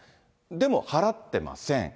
でも払ってません。